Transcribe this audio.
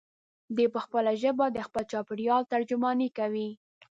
دی په خپله ژبه د خپل چاپېریال ترجماني کوي.